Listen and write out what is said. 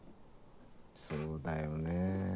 そうだよね。